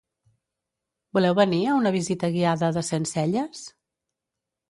Voleu venir a una visita guiada de Centcelles?